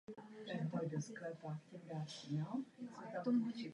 Výsledkem byl pokaždé stejný produkt.